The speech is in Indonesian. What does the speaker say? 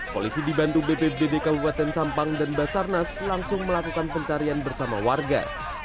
polisi dibantu bpbd kabupaten sampang dan basarnas langsung melakukan pencarian bersama warga